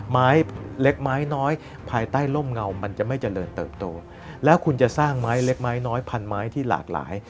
ไม้เล็กไม้น้อยภายใต้ร่มเงามันจะไม่เจริญเติบโตแล้วคุณจะสร้างไม้เล็กไม้น้อยพันไม้ที่หลากหลาย